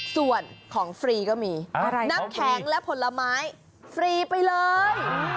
ส่วนของฟรีก็มีน้ำแข็งและผลไม้ฟรีไปเลย